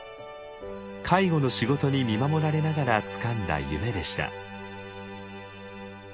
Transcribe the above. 介護の仕事に見守られながらつかんだ夢でした。